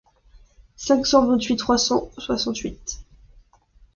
cinq cent vingt-huit trois cent soixante-huit.